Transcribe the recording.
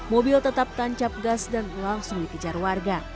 mobil tetap tancap gas dan langsung dikejar warga